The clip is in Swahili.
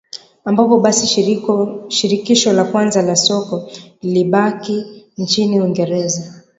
ambapo basi shirikisho la kwanza la soka lilibaki nchini Uingereza